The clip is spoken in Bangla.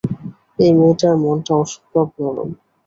এই মেয়েটার মনটা অসম্ভব নরম।